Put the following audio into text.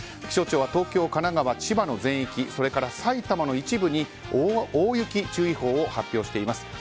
気象庁は東京、神奈川、千葉の全域埼玉の一部に大雪注意報を発表しています。